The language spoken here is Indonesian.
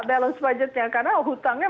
balance budgetnya karena hutangnya